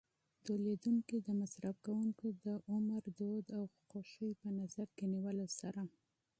تولیدوونکي د مصرف کوونکو د عمر، دود او خوښۍ په نظر کې نیولو سره.